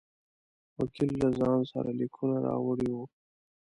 وکیل له ځان سره لیکونه راوړي وه.